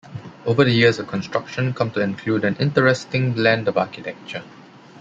Over the years of construction come to include an interesting blend of Architecture.